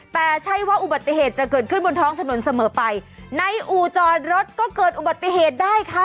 แต่ใช่ว่าอุบัติเหตุจะเกิดขึ้นบนท้องถนนเสมอไปในอู่จอดรถก็เกิดอุบัติเหตุได้ค่ะ